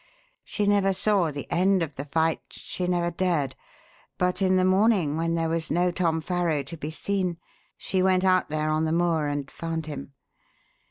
She never saw the end of the fight she never dared; but in the morning when there was no Tom Farrow to be seen, she went out there on the moor and found him.